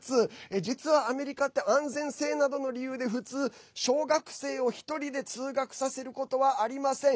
実は、アメリカって安全性などの理由で普通、小学生を１人で通学させることはありません。